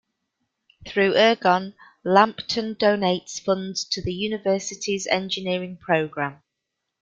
Through Ergon, Lampton donates funds to the university's engineering program.